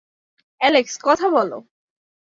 Alex, কথা বলো!